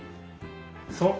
そう。